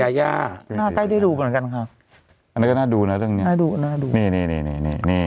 อย่ายาหน้าได้ดูก่อนนะครับนะดูนะร่างหน้าด้วยเนี่ย